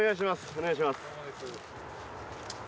お願いします